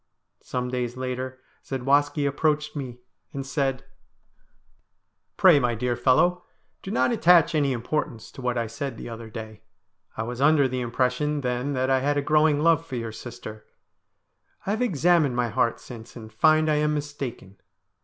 Some days later Zadwaski approached me and said :' Pray, my dear fellow, do not attach any importance to what I said the other day. I was under the impression then that I had a growing love for your sister. I have examined my heart since and find I am mistaken.